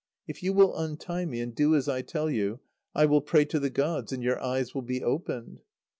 If you will untie me and do as I tell you, I will pray to the gods, and your eyes will be opened."